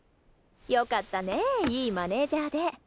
良かったねいいマネージャーで。